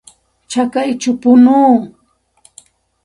Chakayćhaw punuu.